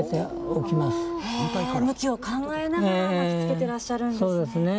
向きを考えながら巻きつけてらっしゃるんですね。